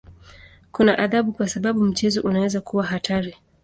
Kuna adhabu kwa sababu mchezo unaweza kuwa hatari.